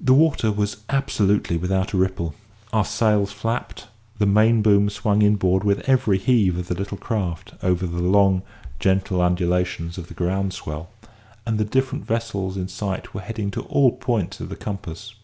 The water was absolutely without a ripple; our sails flapped, the main boom swung inboard with every heave of the little craft over the long, gentle undulations of the ground swell; and the different vessels in sight were heading to all points of the compass.